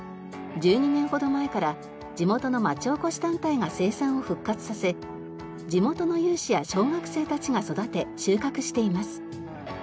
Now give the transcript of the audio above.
１２年ほど前から地元の町おこし団体が生産を復活させ地元の有志や小学生たちが育て収穫しています。